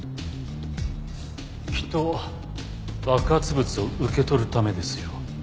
きっと爆発物を受け取るためですよ。